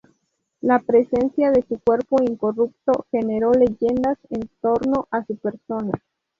La presencia de su cuerpo incorrupto generó leyendas en torno a su persona.